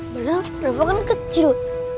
beneran rafa kan kecil